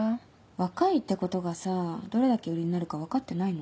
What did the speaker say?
若いってことがさどれだけ売りになるか分かってないの？